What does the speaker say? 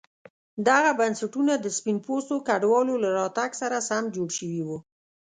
دغه بنسټونه د سپین پوستو کډوالو له راتګ سره سم جوړ شوي وو.